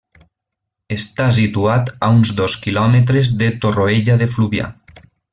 Està situat a uns dos quilòmetres de Torroella de Fluvià.